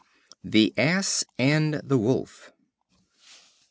The Ass and the Wolf.